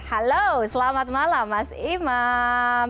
halo selamat malam mas imam